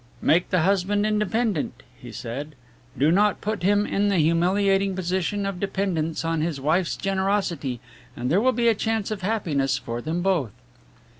'Make the husband independent,' he said, 'do not put him in the humiliating position of dependence on his wife's generosity, and there will be a chance of happiness for them both.'"